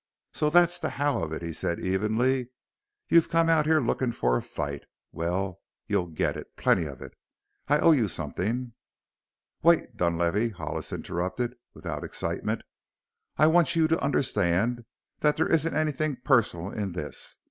"So that's the how of it?" he said evenly. "You've come out here looking for fight. Well, you'll get it plenty of it. I owe you something " "Wait, Dunlavey," Hollis interrupted, without excitement; "I want you to understand that there isn't anything personal in this.